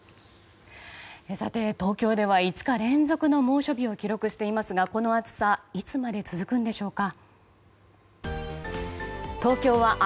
さて、東京では５日連続の猛暑日を記録していますがこの暑さいつまで続くんでしょうか。